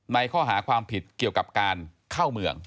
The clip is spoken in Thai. ในข้อหาความผิดเกี่ยวกับการเข้าเมือง